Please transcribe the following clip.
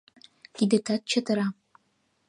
— Кидетат чытыра.